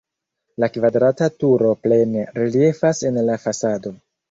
La kvadrata turo plene reliefas en la fasado.